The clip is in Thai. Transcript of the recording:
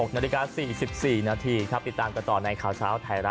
นาฬิกา๔๔นาทีครับติดตามกันต่อในข่าวเช้าไทยรัฐ